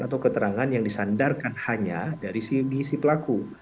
atau keterangan yang disandarkan hanya dari si pelaku